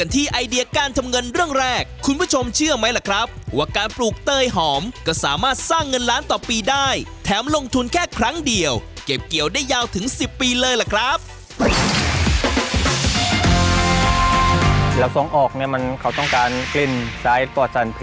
ต้นเตยหอมก็สามารถสร้างเงินล้านต่อปีได้แถมลงทุนแค่ครั้งเดียวเก็บเกี่ยวได้ยาวถึงสิบปีเลยละครับ